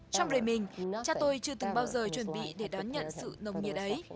trong đời mình cha tôi chưa từng bao giờ chuẩn bị để đón nhận sự nồng nhiệt ấy